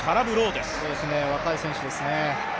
若い選手ですね。